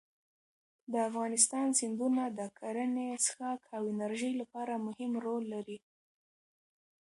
د افغانستان سیندونه د کرنې، څښاک او انرژۍ لپاره مهم رول لري.